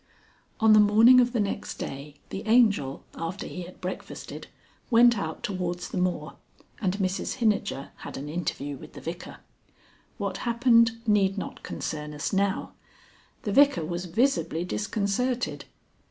XLVII. On the morning of the next day the Angel, after he had breakfasted, went out towards the moor, and Mrs Hinijer had an interview with the Vicar. What happened need not concern us now. The Vicar was visibly disconcerted.